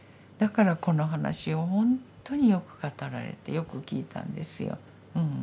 だからこの話をほんとによく語られてよくきいたんですよ。